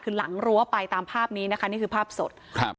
คือหลังรั้วไปตามภาพนี้นะคะนี่คือภาพสดครับ